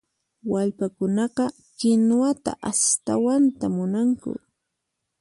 Wallpakunaqa kinuwata astawanta munanku.